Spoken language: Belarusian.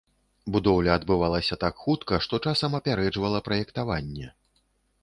Будоўля адбывалася так хутка, что часам апярэджвала праектаванне.